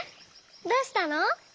どうしたの？